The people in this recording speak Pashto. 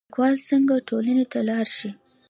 لیکوال څنګه ټولنې ته لار ښيي؟